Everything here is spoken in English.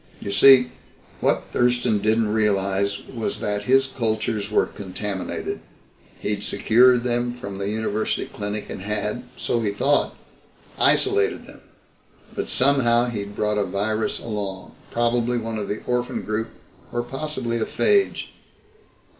You see, what Thurston didn't realize was that his cultures were contaminated. He'd secured them from the University Clinic and had, so he thought, isolated them. But somehow he'd brought a virus along probably one of the orphan group or possibly a phage."